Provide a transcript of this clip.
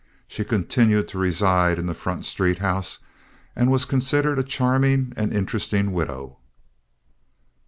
She continued to reside in the Front Street house, and was considered a charming and interesting widow.